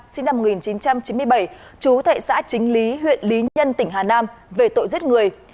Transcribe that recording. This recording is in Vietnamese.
sinh năm một nghìn chín trăm chín mươi bảy chú thệ xã chính lý huyện lý nhân tỉnh hà nam về tội giết người